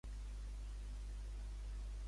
Per què Vergés considera que és rellevant?